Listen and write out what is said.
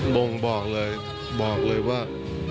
บ่งบอกเลยบอกเลยว่า